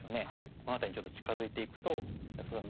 この辺りにちょっと近づいていくと安田さん